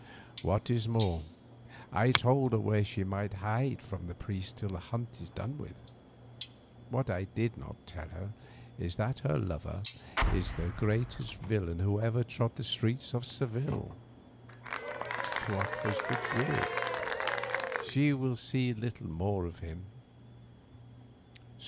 What is more, I told her where she might hide from the priests till the hunt is done with. What I did not like to tell her is that her lover is the greatest villain who ever trod the streets of Seville. What was the good? She will see little more of him.